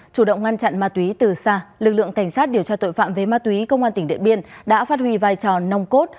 chủ động ngăn chặn ma túy từ xa lực lượng cảnh sát điều tra tội phạm về ma túy công an tỉnh điện biên đã phát huy vai trò nông cốt